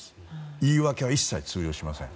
言い訳は一切通用しません。